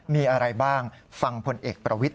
มีอะไรบ้างฟังผลเอกประวิทธ